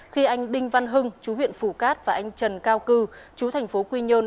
khi anh đinh văn hưng chú huyện phủ cát và anh trần cao cư chú tp quy nhơn